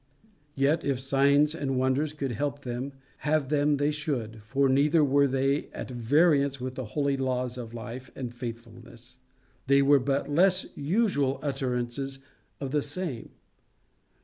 Yet, if signs and wonders could help them, have them they should, for neither were they at variance with the holy laws of life and faithfulness: they were but less usual utterances of the same.